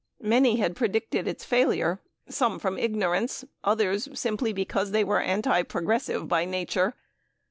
Many had predicted its failure, some from ignorance, others simply because they were anti progressives by nature.